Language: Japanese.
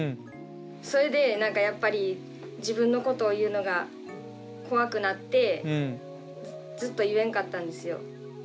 それでやっぱり自分のことを言うのが怖くなってずっと言えんかったんですよ。